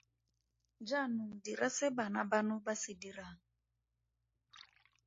Jaanong dira se bana bano ba se dirang.